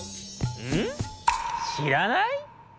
うん？しらない？